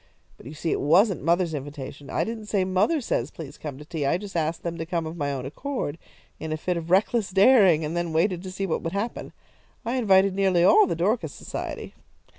But you see it wasn't mother's invitation. I didn't say 'mother says please come to tea,' I just asked them to come of my own accord, in a fit of reckless daring, and then waited to see what would happen. I invited nearly all the Dorcas Society."